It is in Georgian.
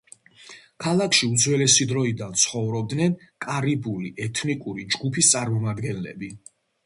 ქალაქში უძველესი დროიდან ცხოვრობდნენ კარიბული ეთნიკური ჯგუფის წარმომადგენლები.